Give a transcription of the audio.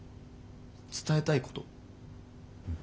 伝えたいこと？